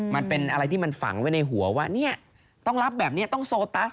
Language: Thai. มันเป็นอะไรที่มันฝังไว้ในหัวว่าเนี่ยต้องรับแบบนี้ต้องโซตัส